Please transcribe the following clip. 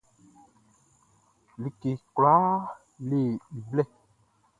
Like kwlaa le i blɛ.